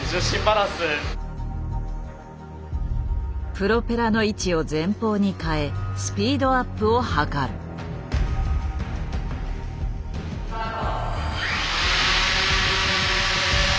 プロペラの位置を前方に変えスピードアップを図る。スタート。